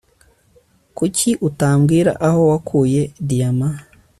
kuki utambwira aho wakuye diyama